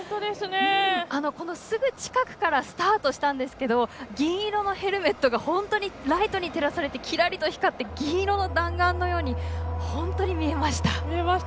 この、すぐ近くからスタートしたんですけど銀色のヘルメットが本当にライトに照らされてきらりと光って銀色の弾丸のように本当に見えました。